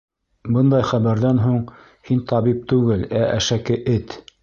Бындай хәбәрҙән һуң һин табип түгел, ә әшәке эт!